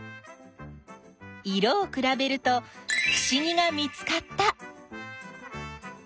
色をくらべるとふしぎが見つかった！